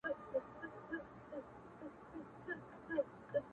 لږ په هنر ږغېږم! ډېر ډېر په کمال ږغېږم!